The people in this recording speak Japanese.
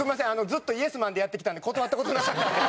ずっとイエスマンでやってきたので断った事なかったんで。